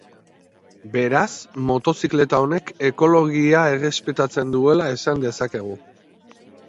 Beraz, motozikleta honek ekologia errespetatzen duela esan dezakegu.